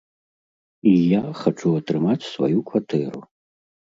І я хачу атрымаць сваю кватэру!